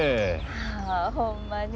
はあほんまに。